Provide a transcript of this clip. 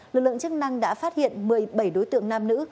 lực lượng chức năng đã phát hiện một mươi bảy đối tượng nam nữ